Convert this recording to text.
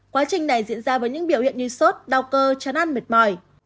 quá trình này diễn ra với những biểu hiện như sốt đau cơ chấn ăn mệt mỏi